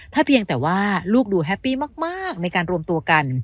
เพียงแต่ว่าลูกดูแฮปปี้มากในการรวมตัวกัน